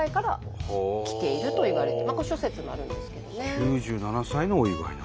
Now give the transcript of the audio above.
９７歳のお祝いなんだ。